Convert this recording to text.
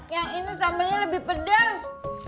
yang ini sambalnya lebih pedas